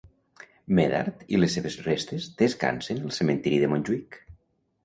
Médard i les seves restes descansen al cementiri de Montjuïc.